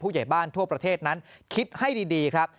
ใหญ่บ้านทั่วประเทศนั้นคิดให้ดีครับ